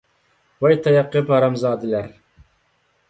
ۋاي تاياق قېپى ھازامزادىلەر!